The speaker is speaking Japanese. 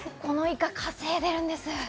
このイカ、稼いでるんです！